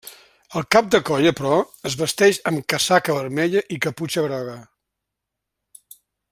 El cap de colla, però, es vesteix amb casaca vermella i caputxa groga.